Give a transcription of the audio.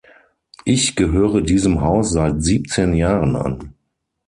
Ich gehöre diesem Haus seit siebzehn Jahren an.